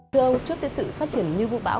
thưa ông trước cái sự phát triển như vũ bão